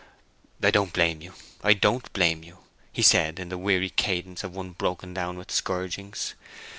"I don't blame you—I don't blame you," he said, in the weary cadence of one broken down with scourgings.